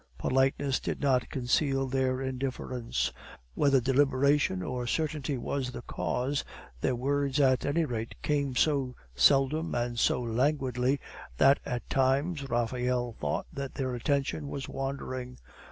Politeness did not conceal their indifference; whether deliberation or certainty was the cause, their words at any rate came so seldom and so languidly, that at times Raphael thought that their attention was wandering.